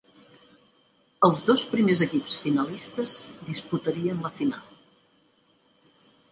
Els dos primers equips finalistes disputarien la final.